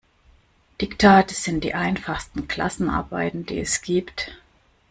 Diktate sind die einfachsten Klassenarbeiten, die es gibt.